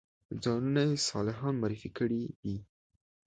ځانونه یې صالحان معرفي کړي دي.